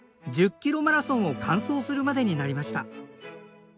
キロマラソンを完走するまでになりました。